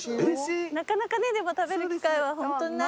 なかなかねでも食べる機会はホントにないですよね。